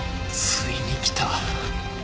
ついに来た！